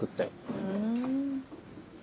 ふん。